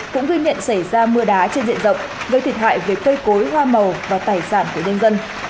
cũng ghi nhận xảy ra mưa đá trên diện rộng gây thiệt hại về cây cối hoa màu và tài sản của nhân dân